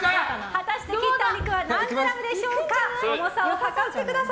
果たして切ったお肉は何グラムでしょうか。